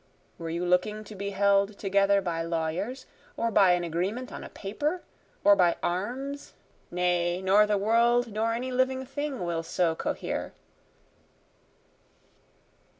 (Were you looking to be held together by lawyers? Or by an agreement on a paper? or by arms? Nay, nor the world, nor any living thing, will so cohere.)